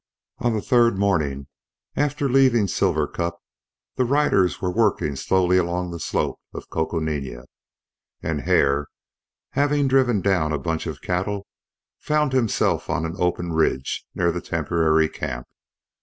On the third morning after leaving Silver Cup the riders were working slowly along the slope of Coconina; and Hare having driven down a bunch of cattle, found himself on an open ridge near the temporary camp.